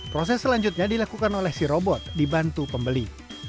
proses selanjutnya dilakukan oleh si robot dibantu pembeli